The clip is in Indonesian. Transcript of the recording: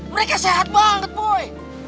mereka sehat banget boy